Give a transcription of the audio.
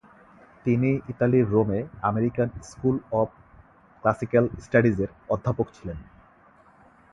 তিনি ইতালির রোমে আমেরিকান স্কুল অব ক্লাসিক্যাল স্টাডিজের অধ্যাপক ছিলেন।